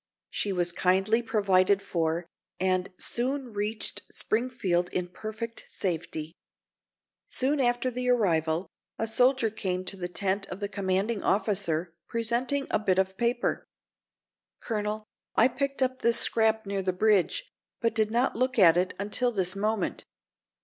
She was kindly provided for, and soon reached Springfield in perfect safety. Soon after the arrival, a soldier came to the tent of the commanding officer, presenting a bit of paper. "Colonel, I picked up this scrap near the bridge, but did not look at it until this moment.